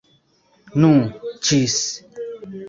Nu, ĝis!